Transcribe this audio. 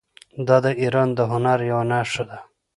دا د ایران د هنر یوه نښه ده.